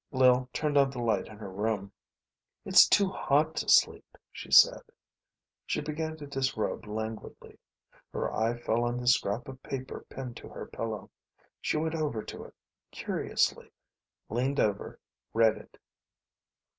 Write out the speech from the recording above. Lil turned on the light in her room. "It's too hot to sleep," she said. She began to disrobe languidly. Her eye fell on the scrap of paper pinned to her pillow. She went over to it, curiously, leaned over, read it.